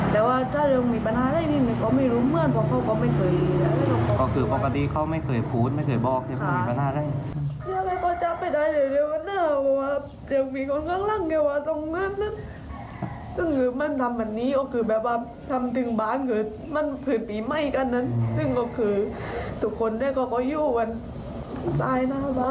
ทุกคนก็บ้านอยู่กลวย